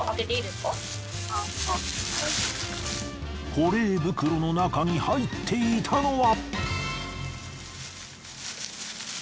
保冷袋の中に入っていたのは。